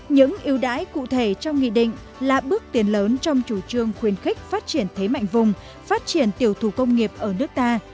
những yêu đãi cụ thể trong nghị định là bước tiến lớn trong chủ trương khuyến khích phát triển thế mạnh vùng phát triển tiểu thủ công nghiệp ở nước ta